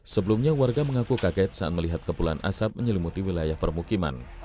sebelumnya warga mengaku kaget saat melihat kepulan asap menyelimuti wilayah permukiman